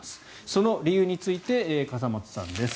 その理由について笠松さんです。